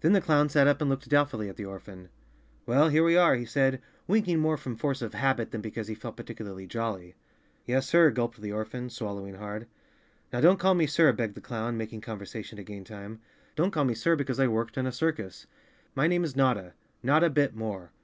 Then the clown sat up and looked doubtfully at the or¬ phan. "Well, here we are," he said, winking more from force of habit than because he felt particularly jolly. "Yes, sir!" gulped the orphan, swallowing hard. 36 Chapter Three "Now don't call me sir," begged the clown, making conversation to gain time. "Don't call me sir because I worked in a circus. My name is Notta—Notta Bit More.